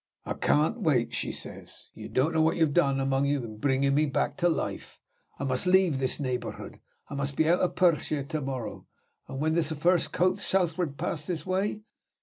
'I can't wait,' she says; 'you don't know what you have done among you in bringing me back to life. I must leave this neighborhood; I must be out of Perthshire to morrow: when does the first coach southward pass this way?'